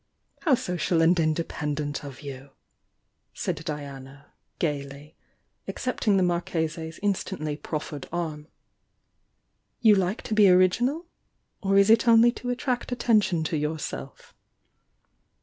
"How social and independent of you!" said Di ana, gaily, accepting the Marchese's instantly prof fered arm. "You like to be original?— or is it only to attract attention to yourself?"